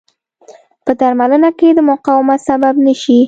په درملنه کې د مقاومت سبب نه شي.